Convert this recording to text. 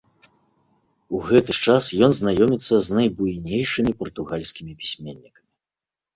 У гэты ж час ён знаёміцца з найбуйнейшымі партугальскімі пісьменнікамі.